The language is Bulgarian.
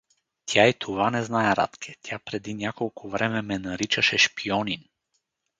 Тя и това не знае, Радке, тя преди няколко време ме наричаше шпионин.